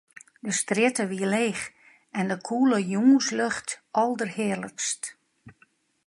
De strjitte wie leech en de koele jûnslucht alderhearlikst.